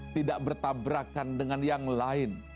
tidak bertabrakan dengan yang lain